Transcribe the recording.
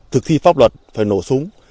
thực thi pháp luật phải nổ súng